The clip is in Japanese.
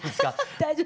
大丈夫。